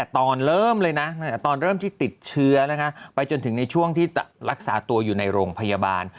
ตอนเริ่มที่ติดเชื้อไปจนถึงช่วงที่รักษาตัวอยู่ในโรงพยาบาล